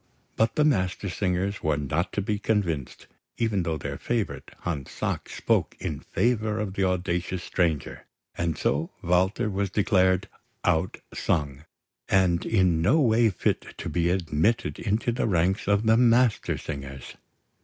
But the Mastersingers were not to be convinced, even though their favourite Hans Sachs spoke in favour of the audacious stranger; and so Walter was declared "outsung" and in no way fit to be admitted into the ranks of the Mastersingers.